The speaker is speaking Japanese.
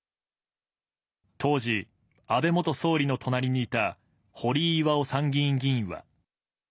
当時、安倍元総理の隣にいた堀井巌参議院議員は。